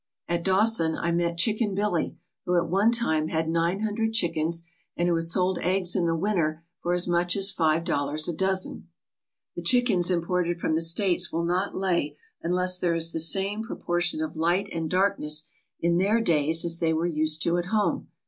At Dawson I met Chicken Billy, who at one time had nine hundred chickens and who has sold eggs in the winter for as much as five dollars a dozen. The chickens imported from the States will not lay un less there is the same proportion of light and darkness in their days as they were used to at home.